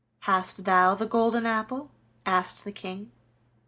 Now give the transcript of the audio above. "Hast thou the golden apple?" asked the King.